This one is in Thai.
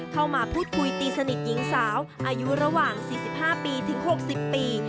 เข้ามาพูดคุยตีสนิทหญิงสาวอายุระหว่าง๔๕ปีถึง๖๐ปี